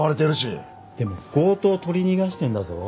でも強盗を取り逃がしてんだぞ。